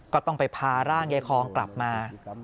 ก็ต้องไปพาร่างยายคองกลับมา